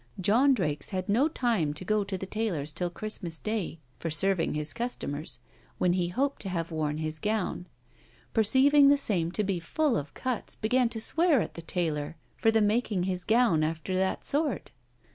John Drakes had no time to go to the taylor's till Christmas day, for serving his customers, when he hoped to have worn his gown; perceiving the same to be full of cuts began to swear at the taylor, for the making his gown after that sort.